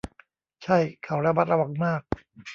ใช่ เขาระมัดระวังมาก